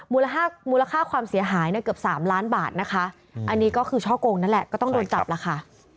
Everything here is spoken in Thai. มูลค่ามูลค่าความเสียหายเนี่ยเกือบ๓ล้านบาทนะคะอันนี้ก็คือช่อโกงนั่นแหละก็ต้องโดนจับแล้วค่ะ